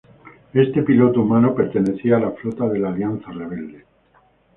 Este piloto humano pertenecía a la flota de la Alianza Rebelde.